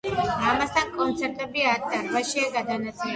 ამასთან კონცერტები ათ დარბაზშია გადანაწილებული.